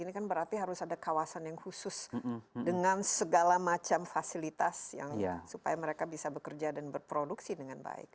ini kan berarti harus ada kawasan yang khusus dengan segala macam fasilitas yang supaya mereka bisa bekerja dan berproduksi dengan baik